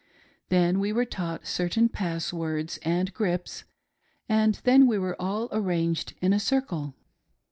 Then we were taught certain pass words and grips ; and then we were all arranged in a circle.